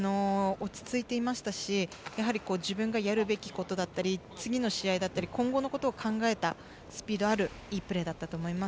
落ち着いていましたし自分がやるべきことだったり次の試合だったり今後のことを考えたスピードのあるいいプレーだったと思います。